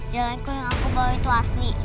jelangkung yang aku bawa itu asli